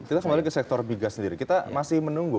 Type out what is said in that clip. kita kembali ke sektor biga sendiri kita masih menunggu